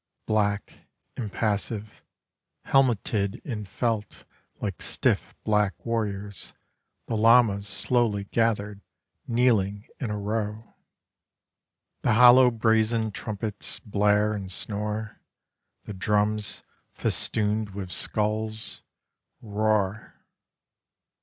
Black, impassive, helmeted In felt like stiff black warriors, The lamas slowly gather, Kneeling in a row. The hollow brazen trumpets Blare and snore. The drums, festooned with skulls, Roar.